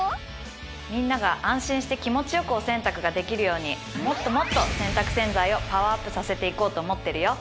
みんなが安心して気持ちよくお洗濯ができるようにもっともっと洗濯洗剤をパワーアップさせていこうと思っているよ